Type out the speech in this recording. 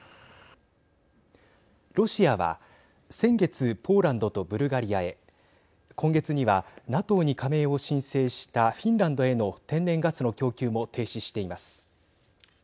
ロシアは先月ポーランドとブルガリアへ今月には、ＮＡＴＯに加盟を申請したフィンランドへの天然ガスの供給も停止しています。